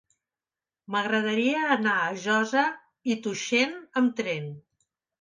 M'agradaria anar a Josa i Tuixén amb tren.